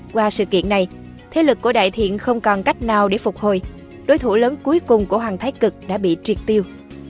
qua sự kiện này thế lực của đại thiện không còn cách nào để phục hồi đối thủ lớn cuối cùng của hoàng thái cực đã bị triệt tiêu